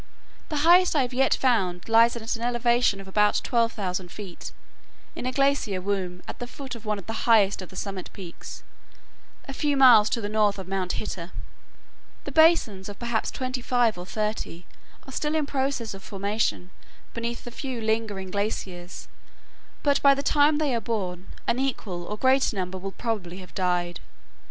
The highest I have yet found lies at an elevation of about 12,000 feet, in a glacier womb, at the foot of one of the highest of the summit peaks, a few miles to the north of Mount Hitter. The basins of perhaps twenty five or thirty are still in process of formation beneath the few lingering glaciers, but by the time they are born, an equal or greater number will probably have died.